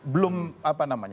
belum apa namanya